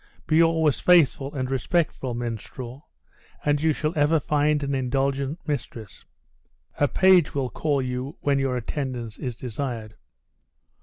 Be always faithful, and respectful, minstrel, and you shall ever find an indulgent mistress. "A page will call you when your attendance is desired."